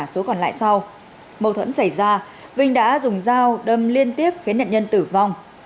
số còn lại sau mâu thuẫn xảy ra vinh đã dùng dao đâm liên tiếp khiến nạn nhân tử vong